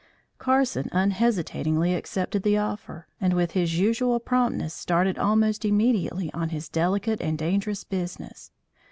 Carson unhesitatingly accepted the offer and with his usual promptness started almost immediately on his delicate and dangerous business.